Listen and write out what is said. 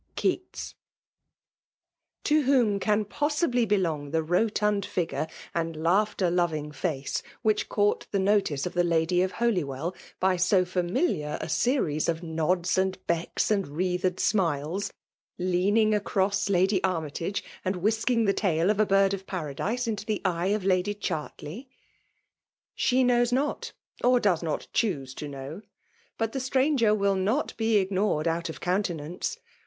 '"■■•■■ IQuim. To wliom can possibly belong the rotund figure and laughter loving face which court •> the notice of the lady of Holywell, by so larhiliar a series of nods and becks and wreathed smiles ; leaning across Lady Army tage, and whisking the tail of a bird of Para dise into the eye of Lady Chartley? She knows not, or does not choose to kno>r. But the stranger will not be ignored out of countenance.